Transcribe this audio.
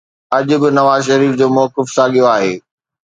اڄ به نواز شريف جو موقف ساڳيو آهي